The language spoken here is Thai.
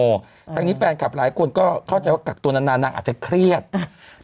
ทางนี้แฟนคลับหลายคนก็เข้าใจว่ากักตัวนานนานนางอาจจะเครียดอ่า